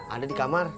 ada di kamar